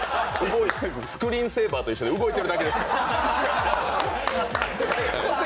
スクリーンセーバーと一緒で動いてるだけなんで。